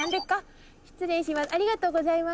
失礼します。